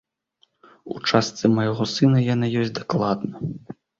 У частцы майго сына яна ёсць дакладна.